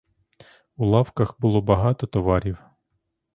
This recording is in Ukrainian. У лавках було багато товарів.